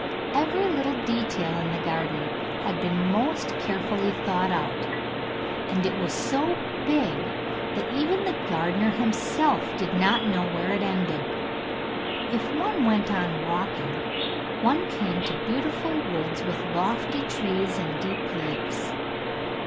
Every little detail in the garden had been most carefully thought out, and it was so big, that even the gardener himself did not know where it ended. If one went on walking, one came to beautiful woods with lofty trees and deep lakes.